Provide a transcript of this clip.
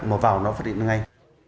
mà vào nó phát hiện ngay